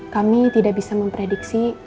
kami tidak bisa memprediksi